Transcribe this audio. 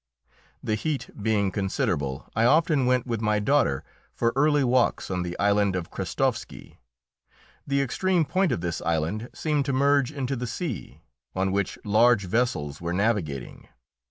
The heat being considerable, I often went with my daughter for early walks on the island of Krestovski. The extreme point of this island seemed to merge into the sea, on which large vessels were navigating.